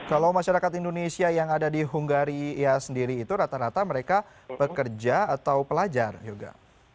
kalau masyarakat indonesia yang ada di hungaria sendiri itu rata rata mereka pekerja atau pelajar yoga